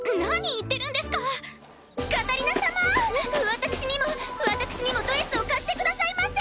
私にも私にもドレスを貸してくださいませ！